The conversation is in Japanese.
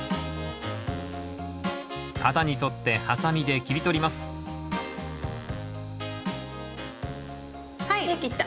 型に沿ってハサミで切り取ります出来た。